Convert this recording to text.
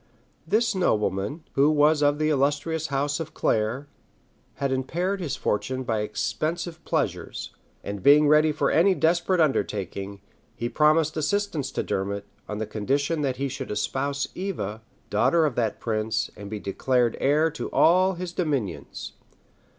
This nobleman, who was of the illustrious house of Clare, had impaired his fortune by expensive pleasures; and being ready for any desperate undertaking, he promised assistance to Dermot, on condition that he should espouse Eva, daughter of that prince, and be declared heir to all his dominions.